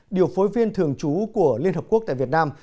điều phối viên thường trú của liên hợp quốc tại việt nam